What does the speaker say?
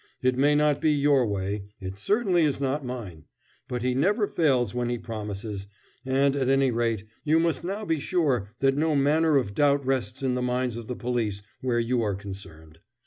It may not be your way it certainly is not mine but he never fails when he promises, and, at any rate, you must now be sure that no manner of doubt rests in the minds of the police where you are concerned.